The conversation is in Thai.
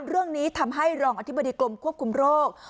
เรื่องนี้ทำให้รองอธิบดีกรมควบคุมโรค